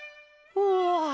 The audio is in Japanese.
うわ！